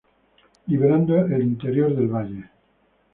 Liberando el interior del valle.